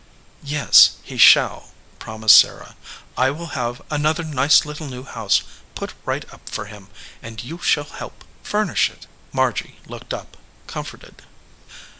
"Yes, he shall," promised Sarah. "I will have another nice little new house put right up for him, and you shall help furnish it." Margy looked up, comforted.